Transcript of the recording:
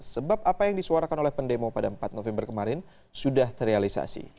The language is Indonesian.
sebab apa yang disuarakan oleh pendemo pada empat november kemarin sudah terrealisasi